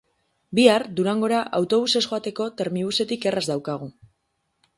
Bihar Durangora autobusez joateko Termibusetik erraz daukagu.